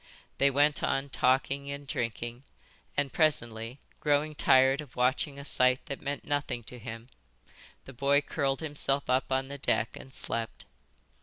They went on talking and drinking, and presently, growing tired of watching a sight that meant nothing to him, the boy curled himself up on the deck and slept.